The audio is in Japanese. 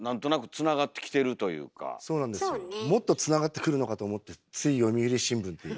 そうなんですよもっとつながってくるのかと思ってつい読売新聞って。